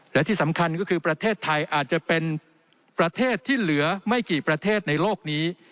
และที่สำคัญก็คือประเทศไทยอาจจะเป็นประเทศที่เหลือไม่กี่ประเทศในโลกนี้